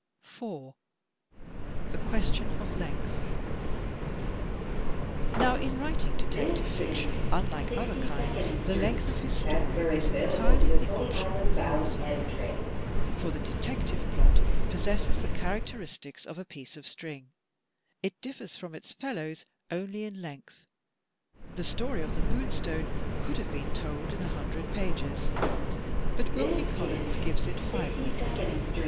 4, The Question of Length Now, in writing detective fiction, unlike other kinds, the length of his story is entirely at the option of the author. For the detective plot possesses the characteristics of a piece of string; it differs from its fellows only in length. The story of "The Moonstone" could have been told in a hun dred pages, but Wilkie Collins gives it five hundred.